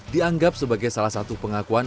dianggap sebagai salah satu pengakuan